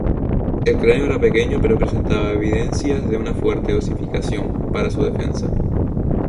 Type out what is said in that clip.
El cráneo era pequeño pero presentaba evidencias de una fuerte osificación, para su defensa.